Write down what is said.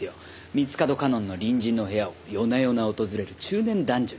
三ツ門夏音の隣人の部屋を夜な夜な訪れる中年男女について。